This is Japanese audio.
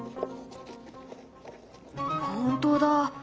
本当だ。